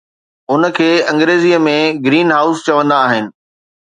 ان کي انگريزيءَ ۾ Green House چوندا آهن